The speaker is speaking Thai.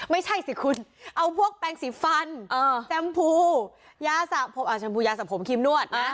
ไม่ใช่สิคุณเอาพวกแปรงสีฟันแซมพูยาสระผมคีมนวด